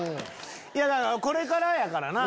いやこれからやからな。